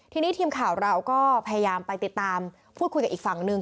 ทีนี้ทีมข่าวเราก็พยายามไปติดตามพูดคุยกับอีกฝั่งหนึ่ง